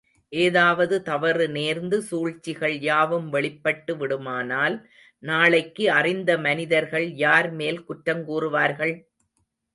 ஏதாவது தவறு நேர்ந்து சூழ்ச்சிகள் யாவும் வெளிப்பட்டு விடுமானால் நாளைக்கு அறிந்த மனிதர்கள் யார் மேல் குற்றங் கூறுவார்கள்?